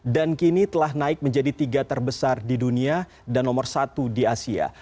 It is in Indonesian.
dan kini telah naik menjadi tiga terbesar di dunia dan nomor satu di asia